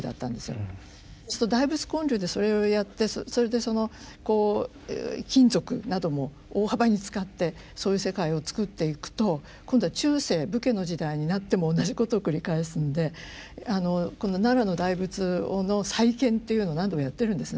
そうすると大仏建立でそれをやってそれでその金属なども大幅に使ってそういう世界を作っていくと今度は中世武家の時代になっても同じことを繰り返すんでこの奈良の大仏の再建っていうのを何度もやってるんですね。